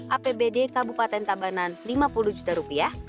apbd kabupaten tabanan lima puluh juta rupiah